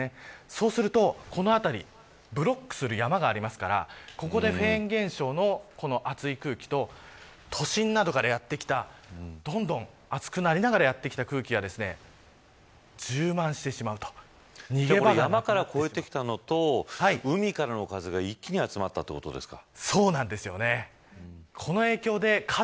そうすると、この辺りブロックする山がありますからここでフェーン現象の熱い空気と都心などからやってきたどんどん熱くなりながらやってきた空気が充満してしまうと逃げ場がなくなってきてしまうと山から来たものと海からの風が一気に集まったということですか。